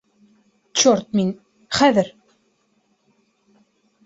- Черт, мин... хәҙер!